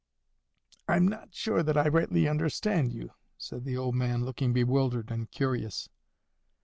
"I'm not sure that I rightly understand you," said the old man, looking bewildered and curious.